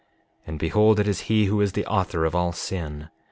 6:30 And behold, it is he who is the author of all sin.